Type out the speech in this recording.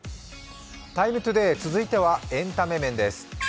「ＴＩＭＥ，ＴＯＤＡＹ」、続いてはエンタメ面です。